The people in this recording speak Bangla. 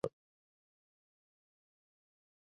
তোমরা এখন জানিয়াছ, তোমরা কি করিতে পার।